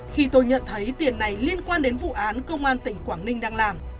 khi tôi nhận thấy tiền này liên quan đến vụ án công an tỉnh quảng ninh đang làm